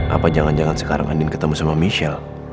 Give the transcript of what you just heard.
apa jangan jangan sekarang andin ketemu sama michelle